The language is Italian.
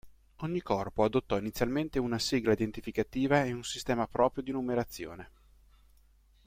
Ogni Corpo adottò inizialmente una sigla identificativa e un sistema proprio di numerazione.